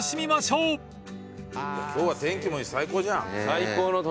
今日は天気もいいし最高じゃん。